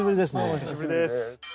お久しぶりです。